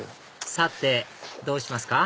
さてどうしますか？